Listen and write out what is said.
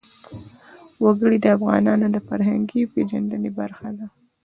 وګړي د افغانانو د فرهنګي پیژندنې برخه ده.